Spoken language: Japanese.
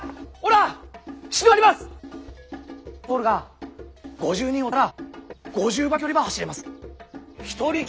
もし俺が５０人おったら５０倍の距離ば走れます。